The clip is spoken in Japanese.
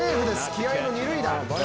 気合いの二塁打。